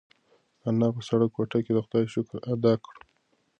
انا په سړه کوټه کې د خدای شکر ادا کړ.